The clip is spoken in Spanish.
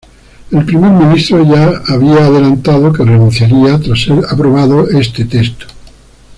El primer ministro ya había adelantado que renunciaría tras ser aprobado este texto.